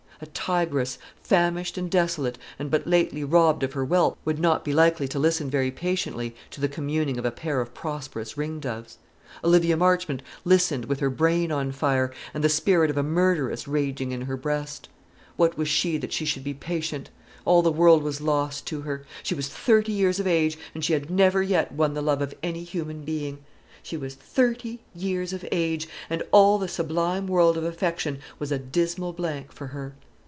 A tigress, famished and desolate, and but lately robbed of her whelps, would not be likely to listen very patiently to the communing of a pair of prosperous ringdoves. Olivia Marchmont listened with her brain on fire, and the spirit of a murderess raging in her breast. What was she that she should be patient? All the world was lost to her. She was thirty years of age, and she had never yet won the love of any human being. She was thirty years of age, and all the sublime world of affection was a dismal blank for her.